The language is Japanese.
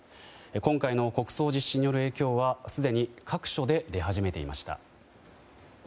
今回の国葬実施による影響はすでに各所で出始めていました。